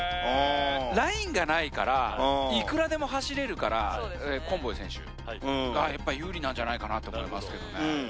ラインがないからいくらでも走れるからコンボイ選手がやっぱ有利なんじゃないかなと思いますけどね